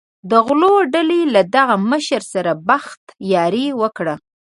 د غلو ډلې له دغه مشر سره بخت یاري وکړي.